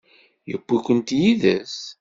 Yewwi-kent yid-s?